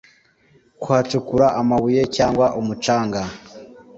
kuhacukura amabuye cyangwa umucanga